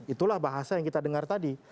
itulah bahasa yang kita dengar tadi